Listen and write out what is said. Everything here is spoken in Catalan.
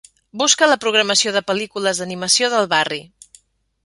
Busca la programació de pel·lícules d'animació del barri.